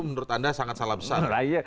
menurut anda sangat salah besar